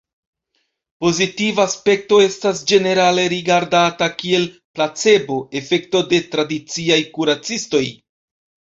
Pozitiva aspekto estas ĝenerale rigardata kiel 'placebo'-efekto de tradiciaj kuracistoj.